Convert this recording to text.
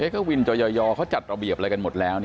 ก็วินจอยเขาจัดระเบียบอะไรกันหมดแล้ว